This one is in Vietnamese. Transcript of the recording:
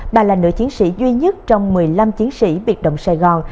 bà là nữ chiến sĩ duy nhất trong một mươi năm chiến sĩ biệt động sài gòn